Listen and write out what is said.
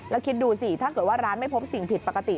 แล้วคิดดูสิถ้าเกิดว่าร้านไม่พบสิ่งผิดปกติ